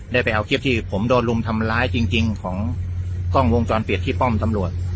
ได้ไปเอาคลิปที่ผมโดนรุมทำร้ายจริงของกล้องวงจรปิดที่ป้อมตำรวจ